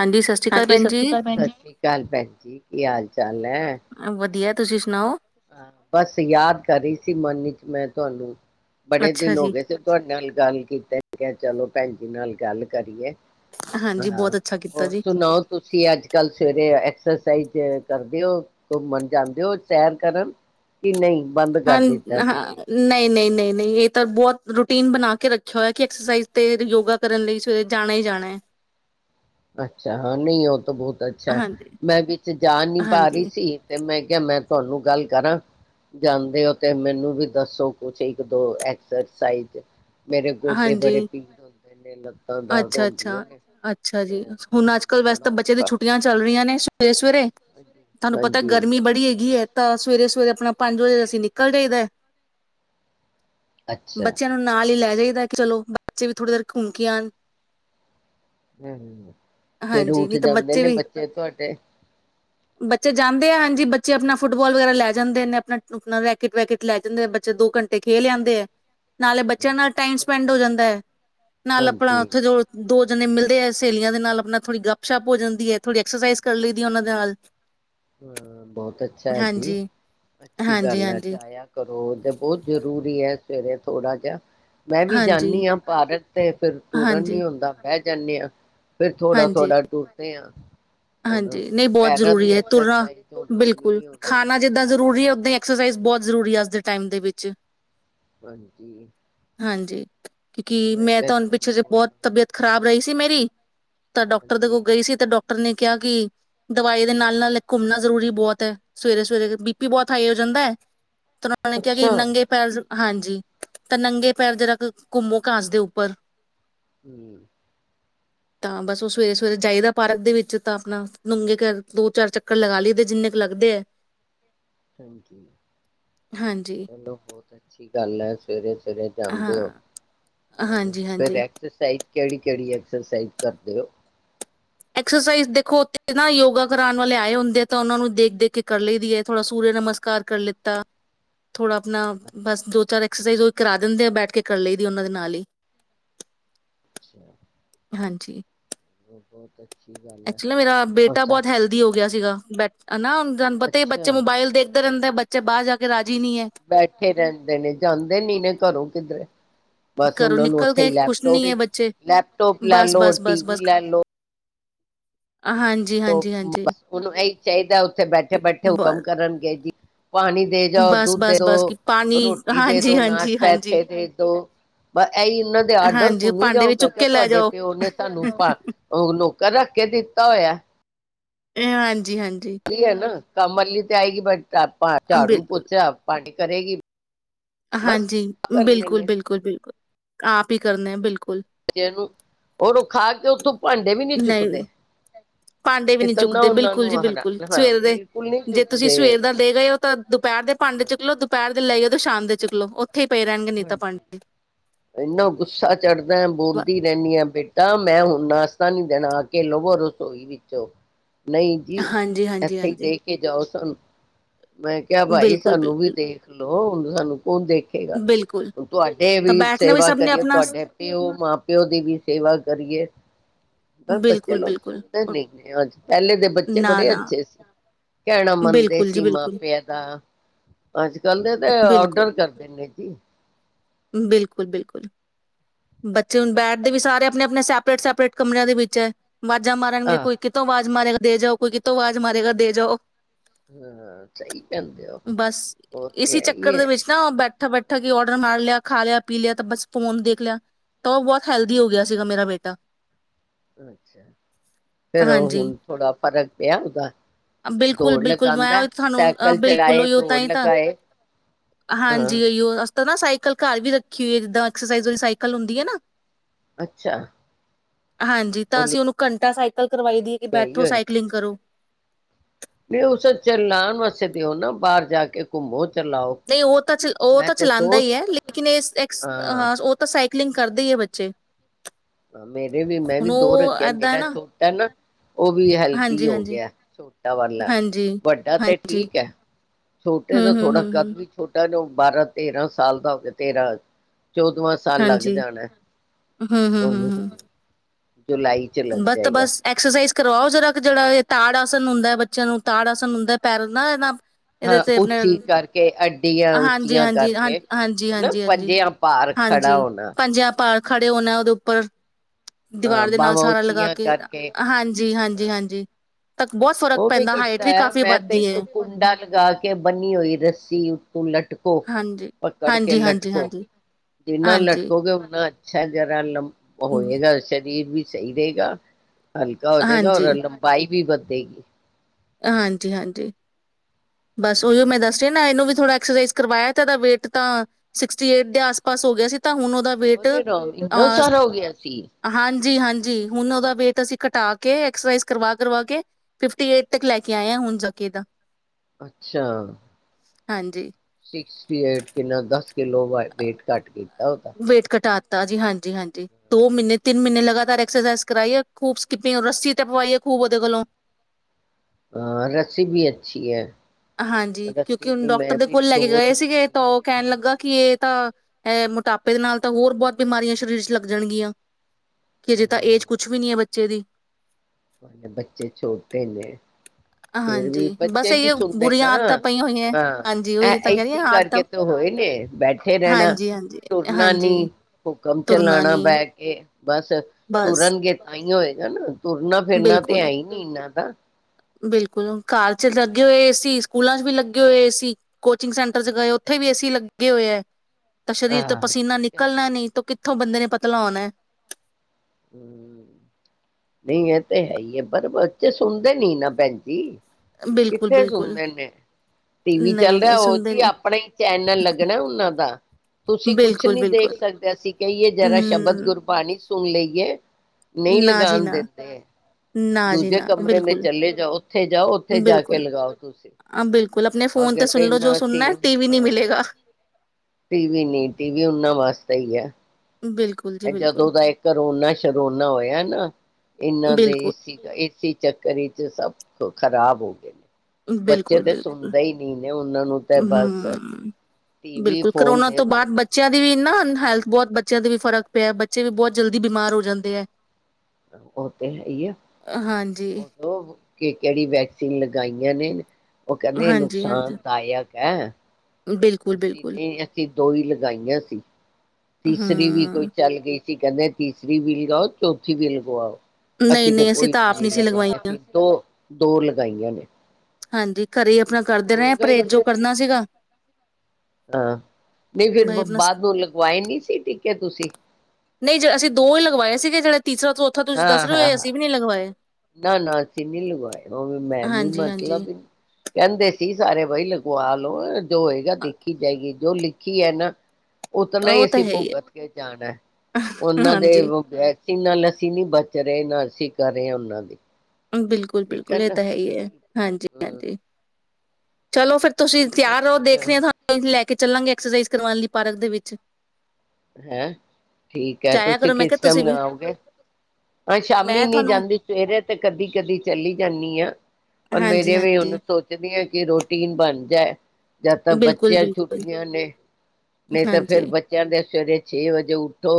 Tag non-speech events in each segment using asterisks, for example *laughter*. ਹਾਂਜੀ ਸਤਿ ਸ਼੍ਰੀ ਅਕਾਲ ਹਾਂਜੀ, ਭੈਣ ਸਤਿ ਸੀ ਕਾਲ ਭੈਣ ਜੀ। ਸਤਿ ਸੀ ਕਾਲ ਭੈਣ ਜੀ। ਕੀ ਹਾਲ-ਚਾਲ? ਆਂ ਵਧੀਆ। ਤੁਸੀਂ ਸੁਣਾਓ। ਬਸ ਯਾਦ ਕਰ ਰਹੀ ਸੀ ਮਨ ਇਚ, ਮੈਂ ਤੁਹਾਨੂੰ। ਬੜੇ ਅੱਛਾ ਦਿਨ ਹੋ ਜੀ ਗਏ ਸੀ ਤੁਹਾਡੇ ਨਾਲ ਗੱਲ ਕੀਤੇ, ਕਿਹਾ ਚਾਲੋ। ਭੈਣ ਜੀ ਨਾਲ ਗੱਲ ਕਰੀਏ। ਹਾਂਜੀ ਹਾਂ, ਬਹੁਤ ਅੱਛਾ ਕੀਤਾ ਹੋਰ ਜੀ ਸੁਣਾਓ ਤੁਸੀਂ ਅੱਜ ਕੱਲ ਸਵੇਰੇ ਐਕਸ ਐਕਸਰਸਾਈਜ਼ ਕਰਦੇ ਹੋ। ਘੁੰਮਣ ਜਾਂਦੇ ਹੋ। ਸੈਰ ਕਰਨ ਕਿ ਨਹੀ ਹਾਨ ਨਹਾ ਹਾ ਨਹੀਂ ਨਹੀਂ ਨਹੀਂ- ਨਹੀਂ ਇਹ ਤਾਂ ਬਹੁਤ ਰੂਟੀਨ ਬਣਾ ਕੇ ਰੱਖਿਆ ਹੋਇਆ ਕਿ ਐਕਸਰਸਾਈਜ਼ ਤੇ ਯੋਗਾ ਕਰਨ ਲਈ ਸਵੇਰੇ ਜਾਣਾ ਹੀ ਜਾਣਾ ਐ। ਅੱਛਾ ਹਾਂ, ਨਹੀਂ ਔ ਤਾਂ ਬਹੁਤ ਅੱਛਾ। ਹਾਂਜੀ ਮੈਂ ਵਿੱਚ ਜਾ ਨਹੀ ਪਾ ਰਹੀ ਹਾਂਜੀ ਸੀ ਤੇ ਮੈਂ ਮੈਂ ਤੁਹਾਨੂੰ ਗੱਲ ਕਰਾਂ। ਜਾਂਦੇ ਹੋ ਤੇ ਮੈਨੂੰ ਵੀ ਦੱਸੋ ਕੁਛ ਇੱਕ ਦੋ ਐਕਸਰਸਾਈਜ਼। ਮੇਰੇ ਗੋਡੇ ਹਾਂਜੀ ਬੜੇ ਪੀੜ ਹੁੰਦੇ ਨੇ ਲੱਤਾਂ ਦਰਦ ਅੱਛਾ ਹੁੰਦੀਆਂ ਅੱਛਾ ਨੇ। ਅੱਛਾ ਜੀ, ਤੇ ਹੁਣ ਅੱਜ ਕੱਲ ਵੈਸੇ ਬੜਾ ਤਾਂ ਬੱਚੇ ਦੀ ਔਖਾ ਛੁੱਟੀਆਂ ਚੱਲ ਰਹੀਆਂ ਨੇ ਸਵੇਰੇ ਤੁਹਾਨੂੰ ਪਤਾ ਹਾਂਜੀ ਗਰਮੀ ਬੜੀ ਹੈਗੀ ਐ। ਤਾਂ ਸਵੇਰੇ ਸਵੇਰੇ ਆਪਣਾ ਪੰਜ ਵਜੇ ਅਸੀਂ ਨਿਕਲ ਜਾਈਦਾ। ਅੱਛਾ ਬੱਚਿਆਂ ਨੂੰ ਨਾਲ ਹੀ ਲੈ ਜਾੲ ਚਲੋ ਬੱਚੇ ਵੀ ਥੋੜ੍ਹੀ ਦੇਰ ਘੁੰਮ ਕੇ ਆਣ। ਹੁੰ, ਸਵੇਰੇ ਉਠ ਨਹੀਂ ਤਾਂ ਜਾਂਦੇ ਨੇ ਵੀ ਬੱਚੇ ਤੁਹਾਡੇ? ਬੱਚੇ ਜਾਂਦੇ ਆ ਹਾਂਜੀ ਬੱਚੇ ਆਪਣਾ ਫੁੱਟਬਾਲ ਵਗੈਰਾ ਲੈ ਜਾਂਦੇ ਨੇ ਆਪਣਾ ਓਪਣਾ ਰੈਕਟ ਵੈਕਟ ਲੈ ਜਾਂਦੇ ਆ। ਬੱਚੇ ਦੋ ਘੰਟੇ ਖੇਲ ਏ ਆਦੇ ਐ। ਨਾਲੇ ਬੱਚਿਆਂ ਨਾਲ ਟਾਈਮ ਬਹੁਤ ਸਪ ਪਿੰਡ ਹੋ ਅੱਛਾ ਜਾਂਦਾ ਏ। ਨਾਲ ਆਪਣਾ ਹਾਂਜੀ ਐਥੇ ਜੋ ਦੋ ਜਣੇ ਮਿਲਦੇ ਏ। ਸਹੇਲੀਆਂ ਦੇ ਨਾਲ ਆਪਣਾ ਥੋੜੀ ਗੱਪ ਛਪ ਏ ਜਾਂਦੀ ਏ, ਥੋੜੀ ਐਕਸਰਸਾਈਜ਼ ਕਰ ਲਈ ਦੀ ਔਨਾ ਦੇ ਨਾਲ। ਹਾਂ ਬਹੁਤ ਅੱਛਾ ਹੈ ਜੀ ਹਾਂਜੀ ਅੱਛੀ ਹਾਂਜੀ ਗੱਲ ਹੈ ਹਾਂਜੀ ਜਾਇਆ ਕਰੋ ਤੇ ਬਹੁਤ ਜ਼ਰੂਰੀ ਹੈ। ਵੇਰੇ ਥੋੜਾ ਜਿਹਾ ਮੈਂ ਵੀ ਹਾਂਜੀ ਜਾਨੀ ਹਾਂ ਭਾਰਤ ਤੇ ਫਿਰ ਟੂਰਨ ਨੀ ਹਾਂਜੀ ਹੁੰਦਾ ਬੈ ਜਾਨੇ ਹਾਂ। ਫੇਰ ਹਾਂਜੀ ਥੋੜ੍ਹਾ-ਥੋੜ੍ਹਾ ਟੁਰਦੇ ਆ। ਹਾਂਜੀ ਨਹੀਂ ਬਹੁਤ ਜ਼ਰੂਰੀ ਹੈ ਤੁਰ ਐਕਸਰਸਾਈਜ਼ ਹੁੰਦੀ ਬਿਲਕੁਲ ਨਹੀਂ ਹੁੰਦੀ ਖਾਣਾ ਜਿੱਦਾਂ ਜਰੂਰੀ ਹੈ ਓਦਾਂ ਹੀ ਐਕਸਰਸਾਈਜ਼ ਬਹੁਤ ਜ਼ਰੂਰੀ ਹੈ ਅੱਜ ਦੇ ਟਾਈਮ ਦੇ ਵਿੱਚ। ਹਾਂਜੀ ਹਾਂਜੀ ਕਿਉਂਕਿ ਮੈਂ ਤਾਂ ਹਣ ਕਿਹਾ ਪਿੱਛੇ ਜੇ ਹੋਰ ਬਹੁਤ ਤਬੀਅਤ ਖਰਾਬ ਰਹੀ ਸੀ ਤ ਮੇਰੀ। ਤਾਂ ਡਾਕਟਰ ਦੇ ਕੋਲ ਹਾਂਜੀ ਗਈ ਸੀ ਤੇ ਡਾ ਟਰ ਨੇ ਕਿਆ ਕਿ ਦਵਾਈ ਦੇ ਨਾਲ-ਨਾਲ ਘੁੰਮਣਾ ਜ਼ਰੂਰੀ ਬੌਤ, ਸਵੇਰੇ-ਸਵੇਰੇ ਬੀਪੀ ਬੌਤ ਹਾਈ ਹੋ ਜਾਂਦਾ। ਤੇ ਓਨਾ ਨੇ ਕਿਆ ਕਿ ਅੱਛਾ ਨੰਗੇ ਪੈਰ ਹਾਂਜੀ, ਤਾਂ ਨੰਗੇ ਪੈਰ ਜਰਾ ਕ ਘੁੰਮੋ ਘਾਸ ਦੇ ਉੱਪਰ। ਹੂੰ ਤਾਂ ਬਸ ਔ ਸਵੇਰੇ ਸਵੇਰੇ ਜਾਈਦੈ ਪਾਰਕ ਦੇ ਵਿੱਚ। ਤਾਂ ਆਪਣਾ ਨੰਗੇੇ ਘਰ ਦੋ ਚਾਰ ਚੱਕਰ ਲਗਾ ਲੀਦੇ ਜਿੰਨੇ ਕ ਲੱਗਦੇ ਐ। ਹਾਂਜੀ, ਹਾਂਜੀ ਚਲੋ ਬੌਤ ਆ ਅਛੀ ਗੱਲ ਐ ਸਵੇਰੇ ਸਵੇਰੇ ਹਾਂ ਜਾਂਦੇ ਔ, ਹਾਂਜੀ ਫੇਰ ਹਾਂਜੀ ਐਕਸਰਸਾਈਜ਼ ਕੇੜੀ-ਕੇੜੀ ਹੈ ਐਕਸਰਸਾਈਜ਼ ਕਰਦੇ ਔ। ਐਕਸਰਸਾਈਜ਼ ਦੇਖੋ ਔਥੇ ਨਾ ਯੋਗਾ ਕਰਾਣ ਵਾਲੇ ਆਏ ਹੋੰਦੇ ਐ ਤਾਂ ਔਨਾਂ ਨੂੰ ਦੇਖ ਦੇਖ ਕੇ ਕਰ ਲਈ ਦੀ ਐ, ਥੋੜ੍ਹਾ ਸੂਰਿਆ ਨਮਸਕਾਰ ਕਰ ਲਿੱਤਾ, ਥੋੜਾ ਅਪਣਾ ਬਸ ਦੋ ਚਾਰ ਐਕਸਰਸਾਈਜ਼ ਓਹੀ ਕਰਾ ਦਿੰਦੇ ਐ ਬੈਠ ਕੇ ਕਰ ਲਈ ਦੀ ਔਨਾਂ ਦੇ ਨਾਲ ਈ। ਅੱਛਾ। ਹਾਂਜੀ। ਬਹੁਤ ਅੱਛੀ ਗੱਲ ਹੈ ਐਕਚੁਲੀ ਨਾ ਮੇਰਾ ਉਹ ਬੇਟਾ ਬੌਤ ਸਾਡੇ ਵੀ ਹੈਲਦੀ ਹੋ ਗਿਆ ਸੀਗਾ ਬੈਠ ਅਨਾ ਤੁਹਾਨੂੰ ਪਤਾ ਈ ਏ ਬੱਚੇ ਅੱਛਾ ਮੋਬਾਇਲ ਅੱਛਾ ਦੇਖਦਾ ਰੈੰਦੇ ਬੱਚੇ ਬਾਰ ਜਾ ਕ *unintelligible* ਬੈਠੇ ਰੈੰਦੇ ਨੇ ਜਾਂਦੇ ਨੀ ਨੇ ਘਰੋਂ ਕਿੱਧਰੇ। ਬਸ ਘਰੋਂ ਔਨਾਂ ਨੂੰ ਨਿਕਲ ਔਥੇ ਗਏ ਈ ਖੁਸ਼ ਨਹੀਂ ਹੈ ਬੱਚੇ ਲੈਪਟੋਪ-ਲੈਪਟੋਪ ਲੈ ਬਸ ਲੋ, ਬਸ ਬਸ ਟੀਵੀ ਬਸ ਲੈ ਲੋ। ਹਾਂਜੀ ਔ ਹਾਂਜੀ ਹਾਂਜੀ ਬਸ ਔਨੂੰ ਐਈ ਚਾਈਦੈ ਔਥੇ ਬੈਠੇ-ਬੈਠੇ ਬ ਹੁਕਮ ਕਰਨਗੇ ਜੀ ਪਾਣੀ ਦੇ ਜਾਓ, ਬਸ ਦੁੱਧ ਬਸ ਬਸ ਦੇਔ, ਕਿ ਪਾਣੀ ਰੋਟੀ ਦੇ ਹਾਂਜੀ ਦੋ, ਹਾਂਜੀ ਨਾਸ਼ਤਾ ਹਾਂਜੀ ਐਥੇ ਦੇ ਦੋ, ਬਾ ਐਈ ਇਨਾਂ ਦੇ ਆਡਰ ਹਾਂਜੀ ਸੁਣੀ ਭਾਂਡੇ ਜਾਓ ਵੀ ਮੈਂ ਚੁੱਕ ਕਿਆ ਕੇ ਲੈ ਤੁਵਾਡੇ ਜਾਓ ਪਿਓ ਨੇ ਸਾਨੂੰ ਪਾ ਨੌਕਰ ਰੱਖ ਕੇ ਦਿਤ ਤਾ ਹੋਯੈ। ਏ ਹਾਂਜ ਜੀ ਹਾਂਜੀ। ਕਮ ਅਲੀ ਤੇ ਆਏਗੀ ਬਕ ਸਿਆਪਾ ਅ, ਝਾੜੂ, ਬਿਲਕੁਲ, ਪੋਚਾ, ਭਾਂਡੇ। ਕਰੇਗੀ। ਬਸ ਹਾਂਜੀ, ਕਰਨੇ ਨੇ ਬਿਲਕੁਲ-ਬਿਲਕੁਲ, ਬਿਲਕੁਲ। ਆਪ ਈ ਕਰਣੈ ਬਿਲਕੁਲ। ਦੇ ਐਨੂੰ, ਔਨੂੰ ਖਾ ਕੇ ਉੱਥੋਂ ਭਾਂਡੇ ਵੀ ਨ੍ਹੀਂ ਨਹੀਂ ਚੁੱਕਦੇ। ਭਾਂਡੇ ਵੀ ਨੀ ਇਤਨਾ ਚੁੱਕਦੇ ਉਹਨਾਂ ਬਿਲਕੁਲ ਨੂੰ ਜੀ ਹਰਾ ਬਿਲਕੁਲ ਹਾਂ ਸਵੇਰ ਦੇ ਬਿਲਕੁਲ ਨਹੀਂ ਜੇ ਤੁਸੀਂ ਚੁੱਕਦੇ ਸਵੇਰ ਦਾ ਦੇ ਗਏ ਔ ਤਾਂ ਦੁਪੈਰ ਦੇ ਭਾਂਡੇ ਹਾਂ ਚੁੱਕ ਲੋ ਦੁਪੈਰ ਦੇ ਲੈ ਜੋ ਤ ਸ਼ ਸਾ਼ਮ ਦੇ ਚੂਕ ਲੋ, ਔਥ ਹਾਂਜੀ, ਏਨਾ ਗੁੱਸਾ ਚੜ੍ਹਦਾ ਬੋਲਦੀ ਰੈਣੀ ਆ, ਬੇਟ ਤਾਂ ਮੈਂ ਹੁਣ ਨਾਸ਼ਤਾ ਨੀ ਦੇਣਾ ਆ ਕੇ ਲਵੋ ਰਸੋਈ ਵਿੱਚੋਂ। ਨਹੀਂ ਜੀ ਹਾਂਜੀ, ਹਾਂਜੀ, ਇੱਥੇ ਹੀ ਹਾਂਜੀ, ਦੇ ਕੇ ਜਾਓ ਸਾਨੂੰ। ਮੈਂ ਕਿਹਾ ਭਾਈ ਬਿਲਕੁਲ, ਸਾਨੂੰ ਵੀ ਬਿਲਕੁਲ, ਦੇਖ ਲੋੋ ਹੋ ਹ ਸਾਨੂੰ ਹੁਣ ਦੇਖੇਗਾ ਬਿਲਕੁਲ। ਤੁਹਾਡੇ ਤਾਂ ਵੀ ਬੈਠਣਾ ਸੇਵਾ ਸਭ ਨੇ ਕਰੀਏ ਆਪਣਾ ਤੁਹਾਡੇ ਪਿਓ ਮਾਂ ਪਿਓ ਦੀ ਵੀ ਸੇਵਾ ਕਰੀਏ। ਪਰ ਬੱਚੇ ਬਿਲਕੁਲ, ਲੋਕ ਬਿਲਕੁਲ, ਸੁਣਦੇ ਨਹੀਂ ਅੱਜ ਪਹਿਲੇ ਦੇ ਬੱਚੇ ਨਾ, ਬੜੇ ਨਾ। ਅੱਛੇ ਸੀ। ਕਹਿਣਾ ਮੰਨਦੇ ਬਿਲਕੁਲ ਜੀ ਸੀ ਬਿਲਕੁਲ, ਮਾਪਿਆਂ ਦਾ ਅੱਜ ਕੱਲ ਦੇ ਤੇ ਔਡਰ ਕਰਦੇ ਨੇ ਜੀ। ਬਿਲਕੁਲ-ਬਿਲਕੁਲ ਬੱਚੇ ਹੁਣ ਬੈਠਦੇ ਵੀ ਸਾਰੇ ਆਪਣੇ ਆਪਣੇ-ਆਪਣੇ ਸੈਪਰੇਟ-ਸੈਪਰੇਟ ਕਮਰਿਆਂ ਦੇ ਵਿੱਚ ਹੈ। ਆਵਾਜ਼ਾਂ ਮਾਰਨਗੇ ਆਹ ਕੋਈ ਕਿਤੋਂ ਆਵਾਜ਼ ਮਾਰੇਗਾ। ਦੇ ਜਾਓ ਕੋਈ ਕਿਤੋਂ ਆਵਾਜ਼ ਮਾਰੇਗਾ ਦੇ ਜਾਓ। ਹਮ ਸਹੀ ਕਹਿੰਦੇ ਹੋ ਬਸ ਉਹ ਤੇ ਹੈ ਹੀ ਹੈ। ਬੈਠੇ ਗਈ ਆਰਡਰ ਮਾਰ ਲਿਆ। ਖਾ ਲਿਆ, ਪੀ ਲਿਆ ਤਾਂ ਬਸ ਫੋਨ ਦੇਖ ਲਿਆ ਤਾਂ ਉਹ ਬਹੁਤ ਹੈਲਦੀ ਹੋ ਗਿਆ ਸੀਗਾ ਮੇਰਾ ਬੇਟਾ। ਅੱਛਾ ਫੇਰ ਉਹ ਹਾਂਜੀ ਹੁਣ ਥੋੜਾ ਫ਼ਰਕ ਪਿਆ ਉਹਦਾ ਬਿਲਕੁਲ ਦੌੜ ਬਿਲਕੁਲ ਮੈਂ ਲਗਾਦਾ ਉਹ ਤੁਹਾਨੂੰ ਅ, ਸਾਈਕਲ ਬਿਲਕੁਲ ਚਲਾਏ, ਉਹੀਓ ਤਾਂ ਦੌੜ ਹੀ ਤਾਂ ਲਗਾਏ ਹਾਂ। ਹਾਂਜੀ ਉਹੀਓ ਅਸੀਂ ਨਾ ਸਾਈਕਲ ਘਰ ਵੀ ਰੱਖੀ ਹੋਈ ਹੈ ਜਿੱਦਾਂ ਐਕਸਰਸਾਈਜ਼ ਸਾਈਕਲ ਹੁੰਦੀ ਹੈ ਨਾ। ਅੱਛਾ ਹਾਂਜੀ ਤਾਂ ਉਹ ਅਸੀਂ ਉਹਨੂੰ ਘੰਟਾ ਸ ਕਰਵਾਈ ਦੀ ਹੈ ਕਿ ਲਿਖਿਆ ਹੀ ਬੈਠੋ ਹੋਇਆ ਸਾਈਕਲਿੰਗ ਕਰੋ। ਨਹੀਂ ਉਸੇ ਚੱਲਣਾ ਵੈਸੇ ਦਿਓ ਨਾ ਬਾਹਰ ਜਾ ਕੇ ਘੁੰਮ ਹੋ ਨਹੀਂ ਉਹ ਤਾਂ ਚ ਉਹ ਤਾਂ ਚਲਾਉਂਦਾ ਹੀ ਹੈ ਲੇਕਿਨ ਹਾਂ ਉਹ ਤਾਂ ਸ ਸਕਕਲਿੰਗ ਕਰਦੇ ਹੀ ਹੈ ਬੱਚੇ। ਮੇਰੇ ਵੀ ਮੈਂ ਵੀ ਹੁਣ ਦੋ ਉਹ ਰੱਖਿਆ ਏਦਾਂ ਹੈ ਮੇਰਾ ਨਾ ਛੋਟਾ ਨਾ ਉਹ ਵੀ ਹੈਲਥੀ ਹਾਂਜੀ ਹੋ ਹਾਂਜੀ ਗਿਆ ਛੋਟਾ ਵਾਲਾ, ਹਾਂਜੀ ਵੱਡਾ ਤੇ ਹਾਂਜੀ ਠੀਕ ਹੈ ਛੋਟੇ ਹੂੰ ਦਾ ਹੂੰ ਥੋੜਾ ਹੂੰ ਕਦ ਹੂੰ ਵੀ ਛੋਟਾ ਨਾ ਬਾਰਾਂ, ਤੇਰਾਂ ਸਾਲ ਦਾ ਹੋ ਗਿਆ ਤੇਰਾਂ ਚੌਦਵਾਂ ਸਾਲ ਲੱਗ ਜਾਣਾ। ਹਮ-ਹਮ, ਉਹਨੂੰ ਹਮ-ਹਮ ਜੁਲਾਈ ਚ ਲੱਗ ਬਸ ਤਾਂ ਜਾਏਗਾ ਬੱਸ ਐਕਸਰਸਾਈਜ਼ ਕਰਵਾਓ ਜਿਹੜਾ ਕਿ ਜਿਹੜਾ ਤਾੜ ਆਸਨ ਹੁੰਦਾ ਬੱਚਿਆਂ ਨੂੰ ਤਾੜ ਆਸਨ ਹੁੰਦਾ ਹੈ ਪੈਰ ਨਾ ਇਹ ਹਾਂ ਉੱਚੀ ਕਰਕੇ ਡੀਆ ਹਾਂਜੀ ਉੱਚੀਆਂ ਹਾਂਜੀ ਹਾਂ- ਕਰਕੇ ਹਾਂਜੀ ਹਨਾ ਹਾਂਜੀ ਪੰਜਿਆਂ ਭਾਰ ਖੜਾ ਹੋਣਾ। ਪਾਰ ਖੜੇ ਹੋਣਾ ਉਹਦੇ ਉੱਪਰ ਹਾਂ ਦੀਵਾਰ ਦੇ ਨਾਲ ਬਾਹਵਾਂ ਸਾਰਾ ਲਗਾ ਉੱਚੀਆਂ ਕੇ ਕਰਕੇ ਹਾਂਜੀ ਹਾਂ ਹਾਂਜੀ-ਹਾਂਜੀ ਉਹ ਵੀ ਕੀਤਾ ਹੈ ਮੈਂ ਤੇ ਇੱਕ ਹੈ ਕੁੰਡਾ ਲਗਾ ਕੇ ਬੰਨੀ ਹੋਈ ਰੱਸੀ। ਹੁਣ ਲਟਕੋ ਹਾਂਜੀ, ਪਕੜ ਕੇ ਹਾਂਜੀ, ਹਾਂਜੀ, ਲਟਕੋ ਹਾਂਜੀ। ਜਿੰਨਾ ਹਾਂਜੀ, ਲਟਕੋਗੇ ਨਾ ਉਨ੍ਹਾ ਅੱਛਾ ਜਰਾ ਲਮ ਹੋਏਗਾ ਸਰੀਰ ਵੀ ਸਹੀ ਰਏ ਗਾ। ਹਲਕਾ ਹੋ ਜਾਏਗਾ ਔਰ ਹਾਂਜੀ, ਲੰਬਾਈ ਵੀ ਵੱਧੇਗੀ। ਹਾਂਜੀ-ਹਾਂਜੀ ਬਸ ਉਹੀਓ ਹਾਂ ਮੈਂ ਦੱਸ ਰੀ ਨਾ ਇਹਨੂੰ ਵੀ ਥੋੜਾ ਐਕਸਰਸਾਈਜ਼ ਕਰਵਾਇਆ ਤੇ ਇਹਦਾ ਵੇਟ ਤਾਂ ਸਿਕਸਟੀ ਏਟ ਦੇ ਆਸ-ਪਾਸ ਹੋ ਗਿਆ ਸੀ। ਤਾਂ ਹੁਣ ਉਹਦਾ ਬੇਟ ਅਰੇ ਰਾਮ ਇੰਨਾ ਅਹ ਸਾਰਾ ਹੋ ਗਿਆ ਸੀ ਹਾਂਜੀ-ਹਾਂਜੀ ਹੁਣ ਉਹਦਾ ਵੇਟ ਅਸੀਂ ਘਟਾ ਕੇ ਐਕਸਰਸਾਈਜ਼ ਕਰਵਾ-ਕਰਵਾ ਕੇ ਫਿਫਟੀ ਏਟ ਤੱਕ ਲੈਕੇ ਆਏ ਹਾਂ ਹੁਣ ਜਾਕੇ ਇਹਦਾ। ਅੱਛਾ ਹਾਂਜੀ। ਸਿਕਸਟੀ ਏਟ ਕਿੰਨਾ ਦੱਸ ਕਿਲੋ ਵੇਟ ਘੱਟ ਕੀ ਵੇਟ ਕਟਾ ਜੀ ਹਾਂਜੀ-ਹਾਂਜੀ ਦੋ ਮਹੀਨੇ ਤਿੰਨ ਮਹੀਨੇ ਲਗਾਤਾਰ ਐਕਸਰਸਾਈ ਕਰਾਈਏ ਖੂਬ ਸਕੀਪਿੰਗ ਰੱਸੀ ਤਪਵਾਈ ਏ ਖੂਬ ਉਹਦੇ ਕੋਲੋਂ। ਹਾਂ ਰੱਸੀ ਵੀ ਅੱਛੀ ਹੈ। ਹਾਂਜੀ ਕਿਉਂਕਿ ਰੱਸੀ ਹੁਣ ਵੀ ਡਾਕਟਰ ਮੈਂ ਦੇ ਵੀ ਕੋਲ ਲੈ ਕੇ ਦੋ ਗਏ ਸੀਗੇ ਰੱਸੀਆਂ ਤਾਂ ਲਿਆਈ ਉਹ ਕਹਿਣ ਲੱਗਾ ਹਾਂਜੀ ਕਿ ਇਹ ਤਾਂ ਇਹ ਮੋਟਾਪੇ ਦੇ ਨਾਲ ਤਾਂ ਹੋਰ ਬਹੁਤ ਬਿਮਾਰੀਆਂ ਸਰੀਰ ਚ ਲੱਗ ਜਾਣਗੀਆਂ। ਕਿ ਅਜੇ ਤਾਂ ਹਾਂ ਏਜ ਕੁਛ ਵੀ ਨਹੀਂ ਹੈ ਬੱਚ ਚੇ ਦੀ। ਬੱਚੇ ਛੋਟ ਨੇ ਫੇਿਰ ਵੀ ਹਾਂਜੀ ਬਸ ਬੱਚੇ ਨੀ ਇਹ ਸੁਣਦੇ ਬੁਰੀਆਂ ਨਾ ਆਦਤਾਂ ਪਈਆਂ ਹੋਈਆਂ ਹਾਂ ਹਾਂਜੀ ਉਹੀ ਤਾਂ ਇਹ ਕਹਿ ਰਹੀ ਇਸੇ ਹਾਂ ਕਰਕੇ ਆਦਤਾਂ ਤੇ ਹੋਏ ਨੇ ਬੈਠੇ ਰਹਿਣਾ ਹਾਂਜੀ ਹਾਂਜੀ ਤੁਰਨਾ ਨੀ ਹਾਂਜੀ ਹੁਕਮ ਤੁਰਨਾ ਚਲਾਉਣਾ ਨਹੀਂ ਬਹਿ ਕੇ ਬਸ ਬਸ ਤੁਰਨਗੇ ਤਾਂ ਹੀ ਹੋਏ *unintelligible* ਤੁਰਨਾ ਫਿਰਨਾ ਤੇ ਬਿਲਕੁਲ ਹੈ ਹੀ ਨਹੀਂੀ ਇਨਾ ਦਾ ਬਿਲਕੁਲ ਘਰ ਚ ਲੱਗੇ ਹੋਏ ਇਸ ਸਕੂਲਾਂ ਚ ਵੀ ਲੱਗੇ ਹੋਏ ਏਸੀ ਕੋਚਿੰਗ ਸੈਂਟਰ ਚ ਗਏ ਉੱਥੇ ਵੀ ਏਸੀ ਲੱਗੇ ਹੋਏ ਹੈ ਤਾਂ ਸਰੀਰ ਤੋਂ ਹਾਂ ਪਸੀਨਾ ਸਹੀ ਕਹਿ ਨਿਕਲਣਾ ਨਹੀਂ ਤ ਕਿ ਇੱਥੋਂ ਬੰਦੇ ਨੇ ਪਤਾ ਲਾਉਣਾ ਹੈ ਨਹੀਂ ਇਹ ਤੇ ਹੈ ਹੀ ਹੈ ਪਰ ਬੱਚੇ ਸੁਣਦੇ ਨੀ ਨਾ ਭੈਣ ਜੀ ਬਿਲਕੁਲ ਕਿੱਥੇ ਬਿਲਕੁਲ ਸੁਣਦੇ ਨੇ ਟੀ ਵੀ ਨਹੀਂ ਚੱਲ ਰਿਹਾ ਨਹੀਂ ਹੋ ਸੁਣਦੇ ਜੀ ਨੀ ਆਪਣਾ ਹੀ ਚੈਨਲ ਲੱਗਣਾ ਉਹਨਾਂ ਦਾ ਤੁਸੀਂ ਕੁੱਛ ਬਿਲਕੁਲ ਨੀ ਦੇਖ ਬਿਲਕੁਲ ਸਕਦੇ ਅਸੀਂ ਕਹੀਏ ਜਰਾ ਸ਼ਬਦ ਹਮ ਗੁਰਬਾਣੀ ਸੁਣ ਲਈ *unintelligible* ਨਹੀਂ ਨਾ ਜੀ ਲਗਾਉਣ ਨਾ ਦਿੰਦੇ ਨਾ ਜੀ ਦੂਜੇ ਨਾ ਕਮਰੇ ਮੇ ਬਿਲਕੁਲ ਚਲੇੇ ਜਾਓ ਓਥੇ ਜਾਓ ਓਥੇ ਜਾ ਕੇ ਬਿਲਕੁਲ ਲਗਾਓ ਤੁਸੀਂ ਹਾਂ ਬਿਲਕੁਲ ਆਪਣੇ ਫੋਨ ਅਗੇ ਸੁਣ ਤੇ ਲਓ ਜੋ ਇਨ੍ਹਾਂ ਸੀ ਸੁਣਨਾ ਹੈ ਟੀ ਵੀ ਨਹੀਂ ਅ ਮਿਲੇਗਾ ਟੀਵੀ ਨੀ ਟੀ ਵੀ ਉਹਨਾਂ ਵਾਸਤੇ ਹੀ ਐ ਬਿਲਕੁਲ ਜੀ ਬਿਲਕੁਲ ਜਦੋਂ ਦਾ ਏ ਕਰੋਨਾ ਸ਼ਰੋਨਾ ਹੋਇਆ ਨਾ ਇਹਨਾਂ ਦੇ ਬਿਲਕੁਲ ਏਸੀ ਏਸੀ ਚੱਕਰ ਈ ਚ ਸਭ ਖ਼ਰਾਬ ਹੋ ਗਏ ਬੱਚੇ ਬਿਲਕੁੱਲ ਤੇ ਬਿਲਕੁੱਲ ਸੁਣਦੇ ਹੀ ਨਹੀਂ ਨੇ ਉਹਨਾਂ ਨੂੰ ਤੇ ਬਸ ਹੂੰ ਟੀ ਵੀ ਬਿਲਕੁੱਲ ਫੋਨ ਕਰੋਨਾ ਦੇ ਤੋਂ ਦਿਓ ਬਾਅਦ ਬੱਚਿਆਂ ਦੀ ਵੀ ਨਾ ਹੈਲਥ ਬਹੁਤ ਬੱਚਿਆਂ ਦੇ ਵੀ ਫਰਕ ਪਿਆ ਬੱਚੇ ਵੀ ਬਹੁਤ ਜਲਦੀ ਬਿਮਾਰ ਹੋ ਜਾਂਦੇ ਐ ਓ ਤੇ ਹੈ ਈ ਆ ਹਾਂਜੀ, ਓ *unintelligible* ਕਿਹੜੀ ਵੈਕਸੀਨ ਲਗਾਈਆਂ ਨੇ ਓ ਕਹਿੰਦੇ ਹਾਂਜੀ, ਹਾਂਜੀ ਨੁਕਸਾਨਦਾਇਕ ਹੈ ਬਿਲਕੁਲ, ਅਸੀਂ ਬਿਲਕੁਲ ਇਹ ਅਸੀਂ ਦੋ ਹੀ ਲਗਾਈਆਂ ਸੀ ਤੀਸਰੀ ਵੀ ਕੋਈ ਹੂੰ ਚੱਲ ਗਈ ਅਸੀਂ ਕਦੇ ਤੀਸਰੀ ਬੀ ਲਗਾਓ ਚੌਥੀ ਬੀ ਲਗਵਾਓ ਨਹੀਂ, ਅਸੀਂ ਤਾਂ ਨਹੀਂ ਕੋਈ ਆਪ ਨੀ ਨਹੀਂ ਸੀ ਲਗਵਾਈਆਂ ਕ ਦੋ ਦੋ ਲਗਾਈਆਂ ਨੇ ਹਾਂਜੀ। ਘਰੇ ਆਪਣਾ ਤੁਸੀਂ ਕਰਦੇ ਦੋ ਰਹੇ ਆ ਲਗਾਈ ਪਰੇਜ਼ ਜੋ ਸੀ? ਕਰਨਾ ਸੀਗਾ ਹਾਂ ਨਹੀਂ ਫਿਰ ਬਾਈ ਆਪਣਾ ਬਾਅਦ ਦੋ ਲਗਵਾਏ ਨੀ ਸੀ ਟੀਕੇ ਤੁਸੀਂ ਨਹੀਂ ਜ ਅਸੀਂ ਦੋ ਹੀ ਲਗਵਾਏ ਸੀਗੇ ਜਿਹੜਾ ਤੀਸਰਾ ਚੌਥਾ ਤੁਸੀਂ ਦੱਸ ਰਹੇ ਹੋ ਅਸੀਂ ਵੀ ਨੀ ਲਗਵਾਏ ਨਾ ਨਾ ਅਸੀਂ ਨੀ ਲਵਾਏ ਮੈਂ ਵੀ ਹਾਂਜੀ, ਹਾਂਜੀ ਮਤਲਬ ਕਹਿੰਦੇ ਸੀ ਸਾਰੇ ਬਾਈ ਲਗਵਾ ਲੋ ਜੋ ਹੋਏਗਾ ਦੇਖੀ ਜਾਏਗੀ ਜੋ ਲਿਖੀ ਐ ਨਾ ਉਤਨਾ ਹੀ ਉਹ ਤਾਂ ਅਸੀਂ ਹੈ ਭੁਗਤ ਕੇ ਜਾਣਾ ਹੈ ਉਹਨਾਂ ਦੇ ਹਾਂਜੀ *unintelligible* ਅਸੀਂ ਨਾਲ ਅੱਸੀਂ ਨੀ ਬਚ ਰਹੇ ਨਾ ਅਸੀਂ ਕਰ ਰਹੇ ਆ ਉਹਨਾਂ *inaudible* ਬਿਲਕੁੱਲ ਠੀਕ ਬਿਲਕੁੱਲ ਇਹ ਨਾ ਤਾਂ ਹੈ ਈ ਐ ਹੂੰ ਹਾਂਜੀ-ਹਾਂਜੀ ਚਲੋ ਫੇਰ ਤੁਸੀਂ ਇਹ ਤਾਂ ਤਿਆਰ ਰਹੋ ਚੱਲ ਦੇਖਣੇ ਆ ਤੁਹਾਨੂੰ ਵੀਲੈ ਕੇ ਚੱਲਾਂਗੇ ਐਕਸਸਾਈਜ਼ ਕਰਵਾਨ ਲਈ ਪਾਰਕ ਦੇ ਵਿੱਚ ਹੈਂ ਠੀਕ ਹੈ ਜਾਇਆ ਤੁਸੀਂ ਕਰੋ ਮੈਂ ਕਿਹਾ ਕਿਸ ਟਾਈਮ ਤੁਸੀਂ ਵੀ ਜਾਓਗੇ ਹਾਂ ਸ਼ਾਮੀ ਮੈਂ ਨੀ ਤੁਹਾਨੂੰ ਜਾਂਦੀ ਸਵੇਰੇ ਤੇ ਕਦੀ ਕਦੀ ਚੱਲ ਜਾਂਦੀ ਆ ਪਰ ਹਾਂਜੀ ਮੇਰੀ ਵੀ ਹੁਣ ਹਾਂਜੀ ਸੋਚਦੀ ਆ ਕਿ ਰੋਟੀਨ ਬਣ ਜਾੈ ਜਦ ਤਾਂ ਬਿਲਕੁਲ ਬੱਚਿਆਂ ਬਿਲਕੁਲ ਛੁੱਟੀਆਂ ਨੇ ਨਹੀਂ ਤਾਂ ਫੇਿਰ ਹਾਂਜੀ ਬੱਚਿਆਂ ਦੇ ਸਵੇਰੇ ਛੇ ਵਜੇ ਉੱਠੋ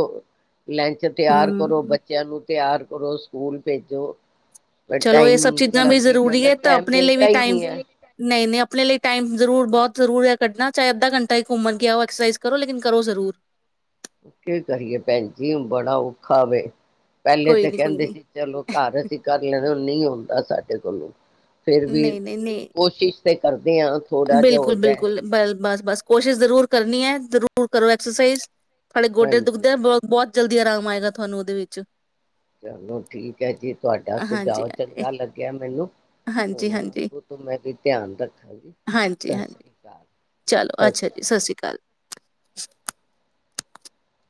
ਲੰਚ ਤਿਆਰ ਕਰੋ ਹਮ ਬੱਚਿਆਂ ਨੂੰ ਤਿਆਰ ਕਰੋ ਸਕੂਲ ਭੇਜੋ ਪਰ ਚਲੋ ਇਹ ਟਾਈਮ ਸਭ ਚੀਜ਼ਾਂ ਲੱਗ ਵੀ ਹੀ ਜ਼ਰੂਰੀ ਜਾਂਦਾ ਹੈ ਤਾਂ ਟਾਈਮ ਆਪਣੇ ਲਈ ਮਿਲਦਾ ਵੀ ਹੀ ਟਾਈਮ ਨਹੀਂ ਹੈ ਨਹੀਂ ਨਹੀਂ ਆਪਣੇ ਲਈ ਟਾਈਮ ਜ਼ਰੂਰ ਬਹੁਤ ਜ਼ਰੂਰ ਹੈ ਕੱਢਣਾ ਚਾਹੇ ਅੱਧਾ ਘੰਟਾ ਇੱਕ ਘੁੰਮਣ ਕੇ ਆਓ ਐਕਸਰਸਾਈਜ਼ ਕਰੋ ਲੇਕਿਨ ਕਰੋ ਜ਼ਰੂਰ ਕੀ ਕਰੀਏ ਭੈਣ ਜੀ ਬੜਾ ਔਖਾ ਵੇ ਪਹਿਲੇ ਕੋਈ ਤਾਂ ਨਹੀਂ ਕੋਈ ਕਹਿੰਦੇ ਨਹੀਂ ਸੀ ਚਲੋ ਘਰ ਅਸੀਂ ਕਰ ਲੈਦੇ ਨਹੀਂ ਹੁੰਦਾ ਸਾਡੇ ਕੋਲੋਂ ਫੇਿਰ ਵੀ ਨਹੀਂ ਨਹੀਂ ਨਹੀਂ ਕੋਸ਼ਿਸ਼ ਕਰਦੇ ਹਾਂ ਥੋੜਾ ਜਿਹਾ ਬਿਲਕੁਲ ਹੋ ਜਾਏ ਬਿਲਕੁਲ ਬ ਬਸ ਬਸ ਕੋਸ਼ਿਸ਼ ਜ਼ਰੂਰ ਕਰਨੀ ਹੈ ਜ਼ਰੂਰ ਕਰੋ ਐਕਸਰਸਾਈਜ਼ ਹੇ ਗੋਡੇ ਹਾਂਜੀ ਦੁਖਦੇ ਬਹੁਤ ਜਲਦੀ ਆਰਾਮ ਆਏਗਾ ਤੁਹਾਨੂੰ ਉਹਦੇ ਵਿੱਚ ਚਲੋ ਠੀਕ ਹੈ ਜੀ ਤੁਹਾਡਾ ਹਾਂਜੀ ਸੁਝਾਵ ਹਾਂਜੀ ਚੰਗਾ ਲੱਗਿਆ ਮੈਨੂੰ ਹਾਂਜੀ, ਹੁਣ ਹਾਂਜੀ, ਅੋ ਤੋਂ ਮੈਂ ਵੀ ਧਿਆਨ ਰੱਖਾਂਗੀ ਹਾਂਜੀ ਸਤਿ ਸ੍ਰੀ ਹਾਂਜੀ ਅਕਾਲ ਚਲੋ ਅੱਛਾ ਜੀ ਸਤਿ ਸ੍ਰੀ ਅਕਾਲ *unintelligible*